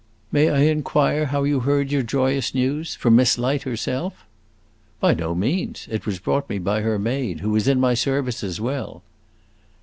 "May I inquire how you heard your joyous news? from Miss Light herself?" "By no means. It was brought me by her maid, who is in my service as well."